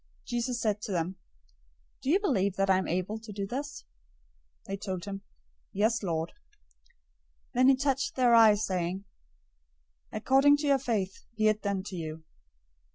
Jesus said to them, "Do you believe that I am able to do this?" They told him, "Yes, Lord." 009:029 Then he touched their eyes, saying, "According to your faith be it done to you."